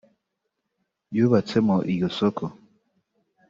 yubatsemo iryo soko